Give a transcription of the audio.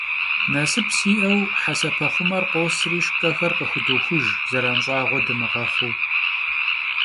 Nasıp si'eu, hesepexhumer khosri, şşç'exer khıxıdoxujj, zeran ş'ağue dımığexhuu.